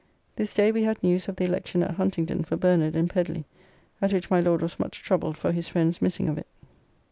This day we had news of the election at Huntingdon for Bernard and Pedly, at which my Lord was much troubled for his friends' missing of it.